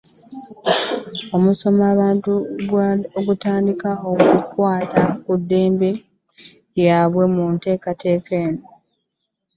Okusomesa abantu b’ekitundu ebikwata ku ddembe eriragibwa mu nteekateeka eno.